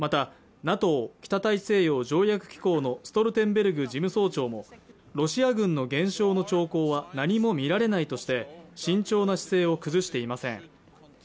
またＮＡＴＯ＝北大西洋条約機構のストルテンベルグ事務総長もロシア軍の減少の兆候は何も見られないとして慎重な姿勢を崩していません